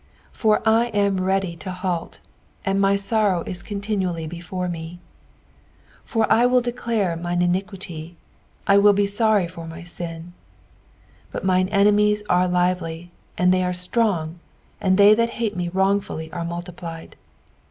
ly For 1 17/« ready to halt, and my sorrow w continually before me, iS For I will declare mine iniquity ; I will be sorry for my sin. 19 But mine enemies are lively, and they are strong : and thq' that hate me wrongfully are multiplied.